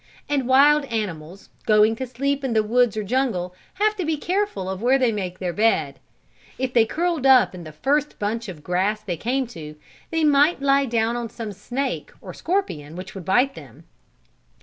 And wild animals, going to sleep in the woods or jungle, have to be careful of where they make their bed. If they curled up in the first bunch of grass they came to, they might lie down on some snake, or scorpion, which would bite them.